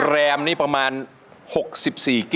แรมนี่ประมาณ๖๔กิ